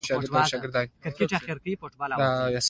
زاړه کسان د خپل کلي د دودونو په اړه پوهېږي